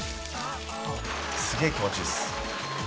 すげえ気持ちいいっす。